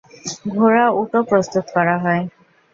ঘোড়া, উটও প্রস্তুত করা হয়।